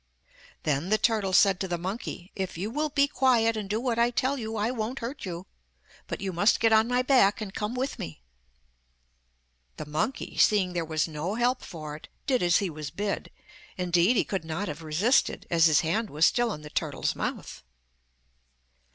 Then the turtle said to the monkey, 'If you will be quiet, and do what I tell you, I won't hurt you. But you must get on my back and come with me.' The monkey, seeing there was no help for it, did as he was bid; indeed he could not have resisted, as his hand was still in the turtle's mouth.